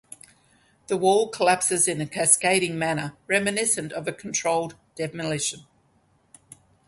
The wall collapses in a cascading manner reminiscent of a controlled demolition.